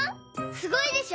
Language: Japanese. すごいでしょ！